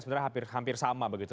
sebenarnya hampir sama begitu